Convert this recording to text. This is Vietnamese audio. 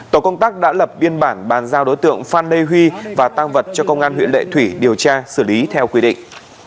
tổ công tác đã lập biên bản bàn giao đối tượng phan lê huy và tăng vật cho công an huyện lệ thủy điều tra xử lý theo quy định